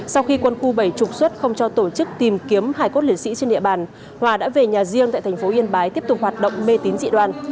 sau khi quân khu bảy trục xuất không cho tổ chức tìm kiếm hải cốt lễ sĩ trên địa bàn hòa đã về nhà riêng tại thành phố yên bái tiếp tục hoạt động mê tín dị đoàn